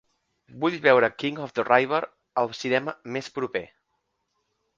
Vull veure King of the River al cinema més proper